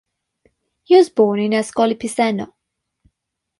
He was born in Ascoli Piceno.